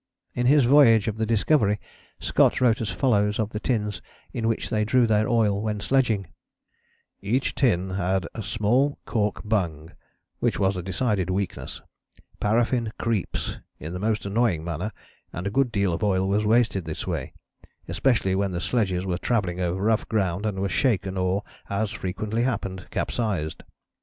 In his Voyage of the Discovery Scott wrote as follows of the tins in which they drew their oil when sledging: "Each tin had a small cork bung, which was a decided weakness; paraffin creeps in the most annoying manner, and a good deal of oil was wasted in this way, especially when the sledges were travelling over rough ground and were shaken or, as frequently happened, capsized.